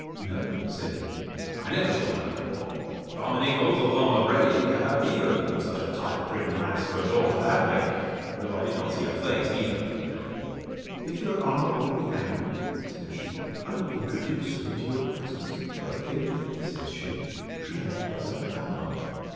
No, said he, I never saw her before. Farmer Nichols, or Farmer Brady, have neither of them such a tight prim lass for a daughter! have they?—Though I did not see her face neither, said he. If your honour won't be angry, said she, I will introduce her into your presence; for I think, says she, she outdoes our Pamela.